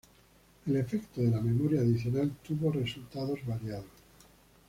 El efecto de la memoria adicional tuvo resultados variados.